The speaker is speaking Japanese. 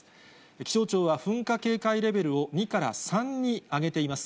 気象庁は噴火警戒レベルを２から３に上げています。